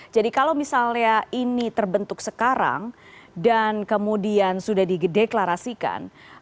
jadi kalau misalnya ini terbentuk sekarang dan kemudian sudah dideklarasikan